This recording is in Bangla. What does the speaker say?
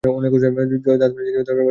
জয়া দাত মাজিতে মাজিতে বলিল, দাড়িয়ে কেন?